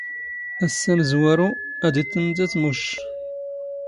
ⴰⵙⵙ ⴰⵎⵣⵡⴰⵔⵓ, ⴰⴷ ⵉⵜⵜⵎⵜⴰⵜ ⵎⵓⵛⵛ